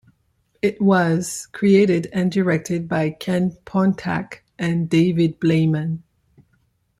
It was created and directed by Ken Pontac and David Bleiman.